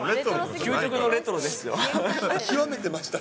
究極のレトロでしたね。